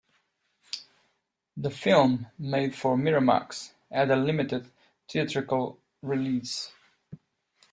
The film, made for Miramax, had a limited theatrical release.